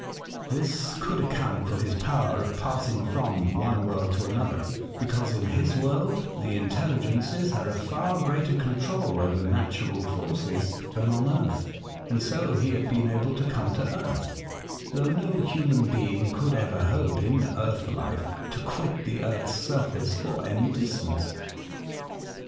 This could account for his power of passing from one world to another, because in his world the intelligences had a far greater control over natural forces than on earth, and so he A Strange Letter, 55 had been able to come to earth, though no human being could ever hope in earth life to quit the earth's surface for any distance.